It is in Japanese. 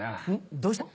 どうしたの？